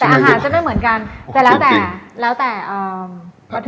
แต่อาหารจะไม่เหมือนกันแต่แล้วแต่วัตถุดิบ